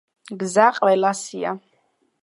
გზა ყველასია